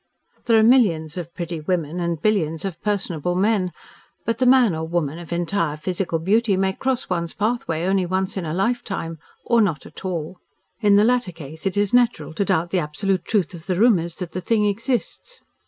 There are millions of pretty women, and billions of personable men, but the man or woman of entire physical beauty may cross one's pathway only once in a lifetime or not at all. In the latter case it is natural to doubt the absolute truth of the rumours that the thing exists.